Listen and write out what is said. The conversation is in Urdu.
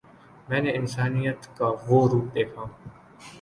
میں نے انسانیت کا وہ روپ دیکھا